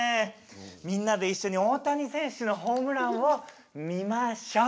みんなで一緒に大谷選手のホームランを見ましょう。